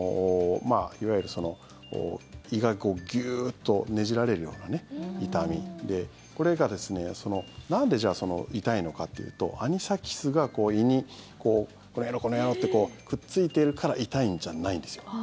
いわゆる胃がギュッとねじられるような痛みでこれが、なんで痛いのかというとアニサキスが胃にこのやろ、このやろってくっついてるから痛いんじゃないんですよ。